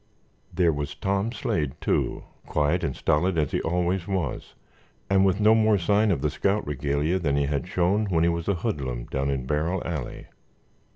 There was Tom Slade, too, quiet and stolid as he always was and with no more sign of the scout regalia than he had shown when he was a hoodlum down in Barrel Alley.